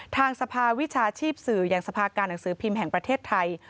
ทางสภาวิชาชีพสื่ออย่างสภาการหนังสือพิมพ์แห่งประเทศไทย